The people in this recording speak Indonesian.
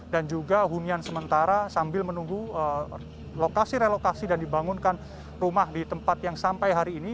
dan juga hunian sementara sambil menunggu lokasi relokasi dan dibangunkan rumah di tempat yang sampai hari ini